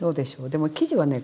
でも生地はね